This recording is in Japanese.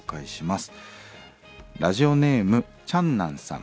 ラジオネームちゃんなんさん。